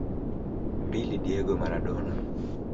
Mbili Diego Maradona